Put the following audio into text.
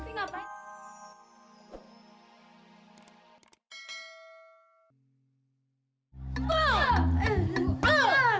kenapa gue yang sakit ya